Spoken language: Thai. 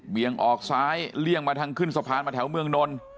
งออกซ้ายเลี่ยงมาทางขึ้นสะพานมาแถวเมืองนน